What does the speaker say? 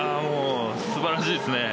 素晴らしいですね。